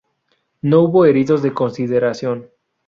No hubo heridos de consideración.